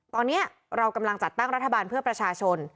ตอนนี้เรากำลังจัดตั้งรัฐบาลเพื่อประชาชน